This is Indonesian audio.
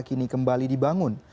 kini kembali dibangun